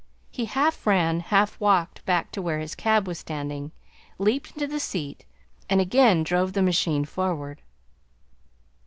He half ran, half walked back to where his cab was standing, leaped into the seat, and again drove the machine forward.